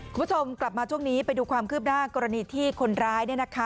คุณผู้ชมกลับมาช่วงนี้ไปดูความคืบหน้ากรณีที่คนร้าย